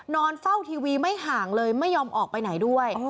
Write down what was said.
นอนเฝ้าทีวีไม่ห่างเลยไม่ยอมออกไปไหนด้วย